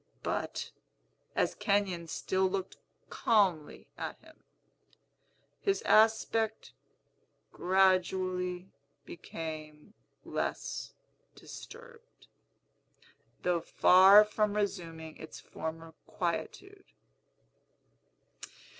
But, as Kenyon still looked calmly at him, his aspect gradually became less disturbed, though far from resuming its former quietude.